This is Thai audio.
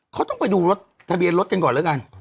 เขาต้องไปดูรถทะเบียนรถกันก่อนแล้วกัน